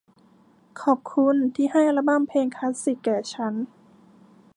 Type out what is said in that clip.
ขอบคุณที่ให้อัลบั้มเพลงคลาสสิคแก่ฉัน